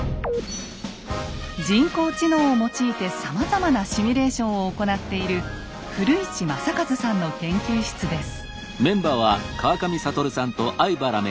人工知能を用いてさまざまなシミュレーションを行っている古市昌一さんの研究室です。